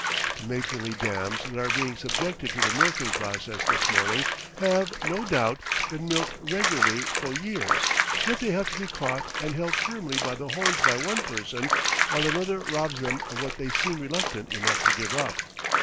The matronly dams that are being subjected to the milking process this morning have, no doubt, been milked regularly for years; yet they have to be caught and held firmly by the horns by one person, while another robs them of what they seem reluctant enough to give up.